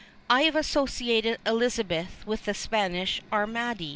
I have associated Elizabeth with the Spanish Armady.